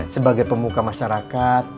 sebagai pemuka masyarakat